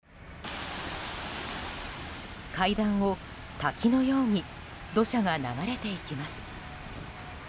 階段を滝のように土砂が流れていきます。